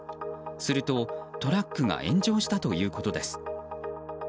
すると、トラックが炎上したということです。